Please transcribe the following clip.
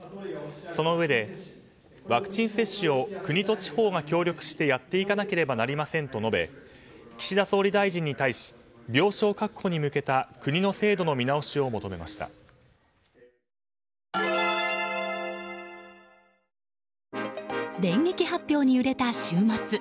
そのうえでワクチン接種を国と地方が協力してやっていかなければなりませんと述べ岸田総理大臣に対し病床確保に向けた電撃発表に揺れた週末。